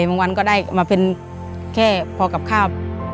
วันก็ได้มาเป็นแค่พอกับข้าว